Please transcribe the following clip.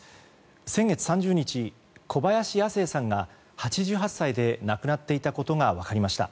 先月３０日、小林亜星さんが８８歳で亡くなっていたことが分かりました。